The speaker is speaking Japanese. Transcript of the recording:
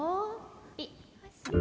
ピッ！